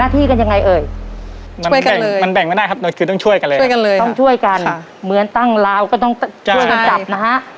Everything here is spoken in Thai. ต้องช่วยกันเหมือนตั้งราวก็ต้องช่วยกันจับนะฮะ